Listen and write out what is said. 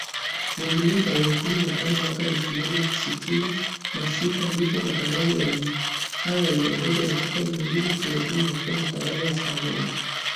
Mwezi Mei, tarehe kumi na tano mwaka elfu moja sitini na sita, ndipo matangazo hayo yaliongezewa dakika nyingine thelathini na kuwa matangazo ya saa moja